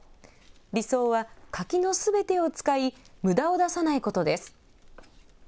理想は、柿のすべてを使い、むだを出さないことです。